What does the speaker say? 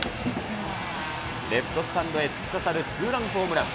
レフトスタンドへ突き刺さるツーランホームラン。